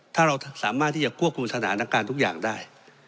ถ้าเราสามารถที่จะควบคุมสถานการณ์ทุกอย่างได้